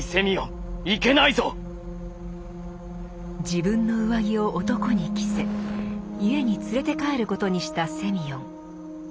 自分の上着を男に着せ家に連れて帰ることにしたセミヨン。